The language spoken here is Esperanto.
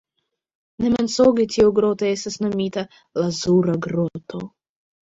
Ne mensoge tiu groto estas nomita: lazura groto.